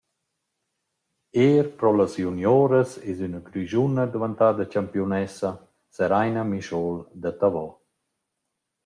Eir pro las junioras es üna grischuna dvantada champiunessa, Sereina Mischol da Tavo.